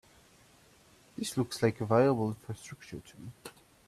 This looks like a viable infrastructure to me.